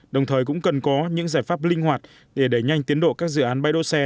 đồng thời cũng cần có những giải pháp linh hoạt để đẩy nhanh tiến độ các dự án bãi đỗ xe